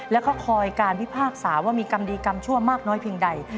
แล้วก็คอยการพิพากษาว่ามีกรรมดีกรรมชั่วมากน้อยเพียงใด